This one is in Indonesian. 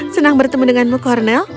senang bertemu denganmu cornel